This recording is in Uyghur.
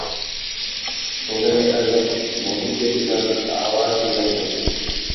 سۇلىرى ئەلۋەك، مۇھىتى گۈزەل، ھاۋاسى ياخشى.